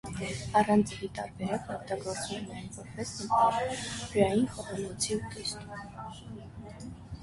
Առանց ձվի տարբերակն օգտագործվում է նաև որպես նպարային խոհանոցի ուտեստ։